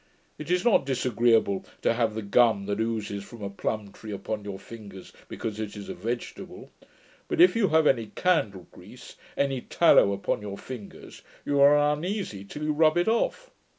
It is not disagreeable to have the gum that oozes from a plumb tree upon your fingers, because it is vegetable, but if you have any candle grease, any tallow upon your fingers, you are uneasy till you rub it off.